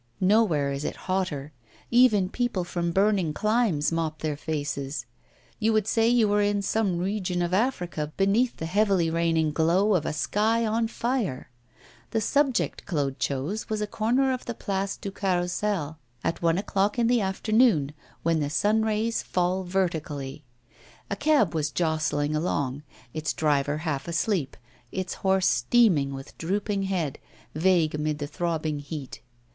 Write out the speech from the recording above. Nowhere is it hotter; even people from burning climes mop their faces; you would say you were in some region of Africa beneath the heavily raining glow of a sky on fire. The subject Claude chose was a corner of the Place du Carrousel, at one o'clock in the afternoon, when the sunrays fall vertically. A cab was jolting along, its driver half asleep, its horse steaming, with drooping head, vague amid the throbbing heat.